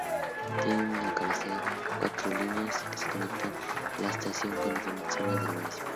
Tienen su cabecera cuatro líneas que conectan la estación con diferentes zonas del municipio